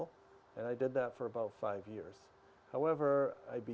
tapi sekarang sudah selesai